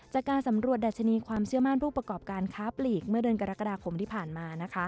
จากการสำรวจดัชนีความเชื่อมั่นผู้ประกอบการค้าปลีกเมื่อเดือนกรกฎาคมที่ผ่านมา